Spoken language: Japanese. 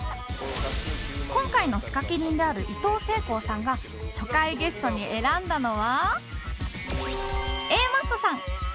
今回の仕掛け人であるいとうせいこうさんが初回ゲストに選んだのは Ａ マッソさん